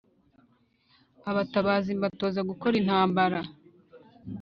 Abatabazi mbatoza gukora intambara